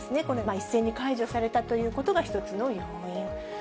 これ、一斉に解除されたということが一つの要因。